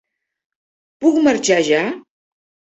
Puc marxar ja?